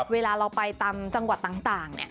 เวลาเราไปตามจังหวัดต่าง